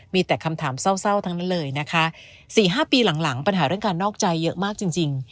มีแต่คำถามเศร้าทั้งนั้นเลยนะคะ๔๕ปีหลังปัญหาเรื่องการนอกใจเยอะมากจริง